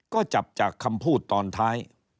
ก็จับจากคำพูดตอนท้าย